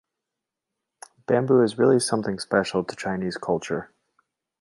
Bamboo is really something special to Chinese culture.